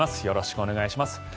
よろしくお願いします。